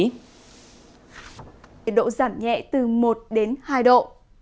nhiệt độ giảm nhẹ từ một đến hai độ